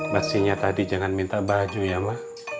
maksudnya tadi jangan minta baju ya ma